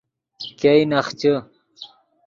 ګئے نخچے